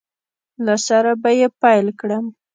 له سره به یې پیل کړم